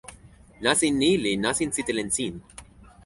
nasin ni li nasin sitelen sin.